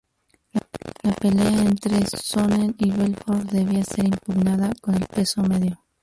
La pelea entre Sonnen y Belfort debía ser impugnada en el peso medio.